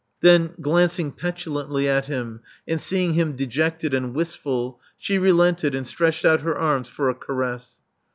Then, glancing petulantly at him, and seeing him dejected and wistful, she relented, and stretched out her arms for a caress.